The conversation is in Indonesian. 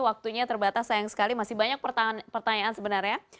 waktunya terbatas sayang sekali masih banyak pertanyaan sebenarnya